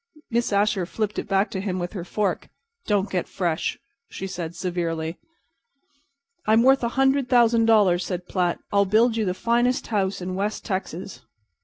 Miss Asher flipped it back to him with her fork. "Don't get fresh," she said, severely. "I'm worth a hundred thousand dollars," said Platt. "I'll build you the finest house in West Texas."